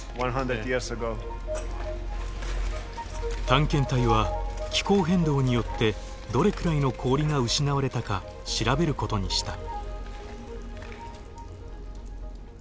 探検隊は気候変動によってどれくらいの氷が失われたか調べることにした。